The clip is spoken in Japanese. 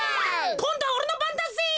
こんどはおれのばんだぜ。